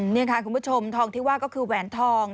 นี่ค่ะคุณผู้ชมทองที่ว่าก็คือแหวนทอง